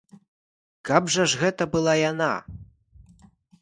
Каб жа ж гэта была яна!